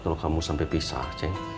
kalau kamu sampai pisah